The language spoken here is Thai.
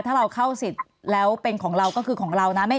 ถ้าเราเข้าสิทธิ์แล้วเป็นของเราก็คือของเรานะ